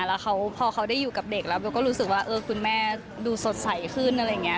แล้วพอเขาได้อยู่กับเด็กแล้วเบลก็รู้สึกว่าคุณแม่ดูสดใสขึ้นอะไรอย่างนี้